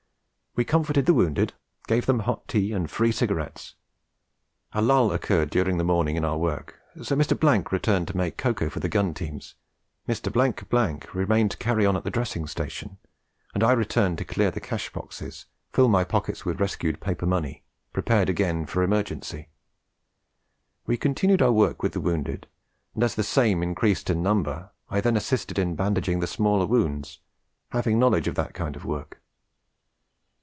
We comforted the wounded, gave them hot tea and free cigarettes. A lull occurred during the morning in our work, so Mr. returned to make the cocoa for the gun teams, Mr. remained to carry on at the dressing station, and I returned to clear the cash boxes, fill my pockets with rescued paper money, prepared again for emergency.... We continued our work with the wounded, and as the same increased in number, I then assisted in bandaging the smaller wounds, having knowledge of that kind of work.